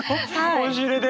押し入れで？